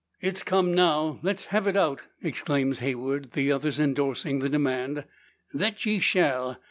"It's come now; let's hev it out!" exclaims Heywood; the others endorsing the demand. "Thet ye shall.